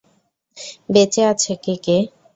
বেঁচে আছে কে কে?